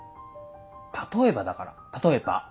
例えばだから例えば。